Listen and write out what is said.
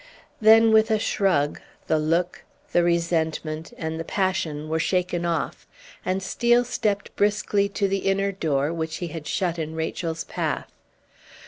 Then, with a shrug, the look, the resentment, and the passion were shaken off, and Steel stepped briskly to the inner door, which he had shut in Rachel's path.